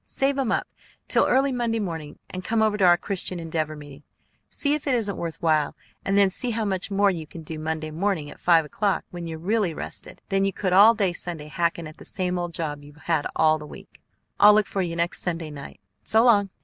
"Save 'em up till early Monday morning, and come over to our Christian Endeavor meeting. See if it isn't worth while, and then see how much more you can do Monday morning at five o'clock, when you're really rested, than you could all day Sunday hacking at the same old job you've had all the week. I'll look for you next Sunday night. So long!"